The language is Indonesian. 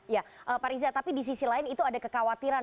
ya pak riza tapi di sisi lain itu ada kekhawatiran